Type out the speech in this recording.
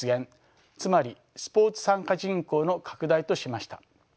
つまりスポーツ参加人口の拡大としました。